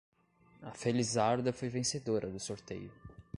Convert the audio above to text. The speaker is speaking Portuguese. A felizarda foi vencedora do sorteio